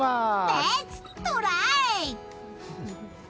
レッツトライ！